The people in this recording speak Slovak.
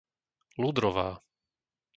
Ludrová